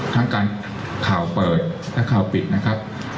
ทั้งการข่าวเปิดและข่าวปิดนะครับ